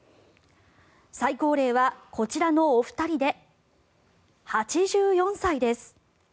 最高齢はこちらのお二人で８４歳です。